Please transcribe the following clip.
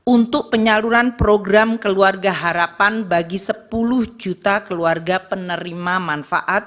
untuk penyaluran program keluarga harapan bagi sepuluh juta keluarga penerima manfaat